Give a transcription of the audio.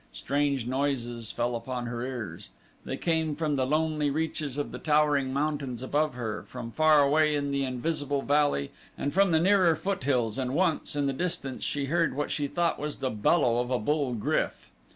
Strange noises fell upon her ears. They came from the lonely reaches of the towering mountains above her, from far away in the invisible valley and from the nearer foothills and once, in the distance, she heard what she thought was the bellow of a bull GRYF.